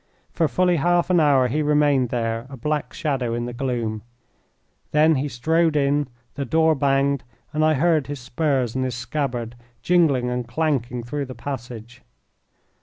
For fully half an hour he remained there, a black shadow in the gloom. Then he strode in, the door banged, and I heard his spurs and his scabbard jingling and clanking through the passage.